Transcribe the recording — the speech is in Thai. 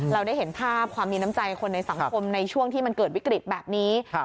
เราได้เห็นภาพความมีน้ำใจคนในสังคมในช่วงที่มันเกิดวิกฤตแบบนี้